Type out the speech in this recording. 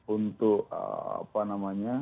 untuk apa namanya